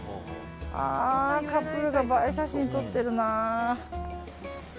カップルが映え写真撮ってるな。